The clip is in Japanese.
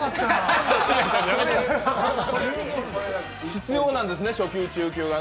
必要なんですね、初級、中級はね。